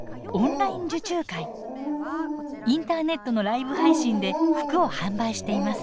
インターネットのライブ配信で服を販売しています。